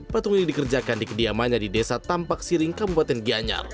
patung ini dikerjakan di kediamannya di desa tampak siring kabupaten gianyar